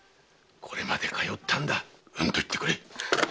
〔これまで通ったんだ「うん」と言ってくれ〕